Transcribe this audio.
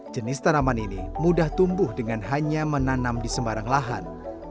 jenis tanaman ini mudah tumbuh dengan hanya menanam di sembarang lahan